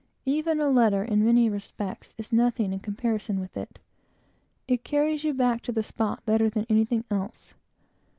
Even a letter, in many respects, is nothing, in comparison with it. It carries you back to the spot, better than anything else.